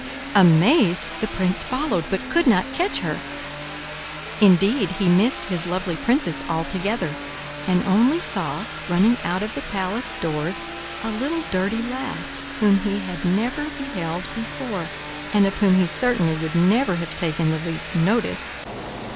Amazed, the prince followed, but could not catch her. Indeed he missed his lovely princess altogether, and only saw running out of the palace doors, a little dirty lass whom he had never beheld before, and of whom he certainly would never have taken the least notice.